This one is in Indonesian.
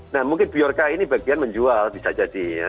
nah mungkin biorca ini bagian menjual bisa jadi ya